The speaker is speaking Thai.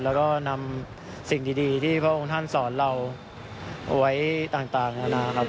แล้วก็นำสิ่งดีที่พระองค์ท่านสอนเราเอาไว้ต่างนานาครับ